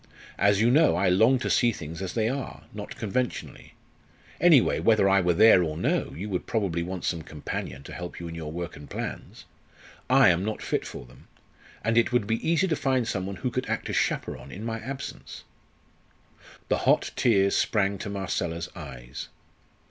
As you know, I long to see things as they are, not conventionally. Anyway, whether I were there or no, you would probably want some companion to help you in your work and plans. I am not fit for them. And it would be easy to find some one who could act as chaperon in my absence." The hot tears sprang to Marcella's eyes.